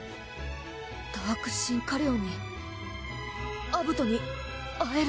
ダークシンカリオンにアブトに会える。